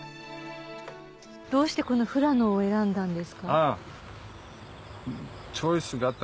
どうしてこの富良野を選んだんですか？